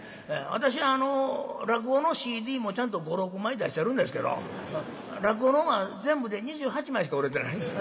私落語のＣＤもちゃんと５６枚出してるんですけど落語の方は全部で２８枚しか売れてない。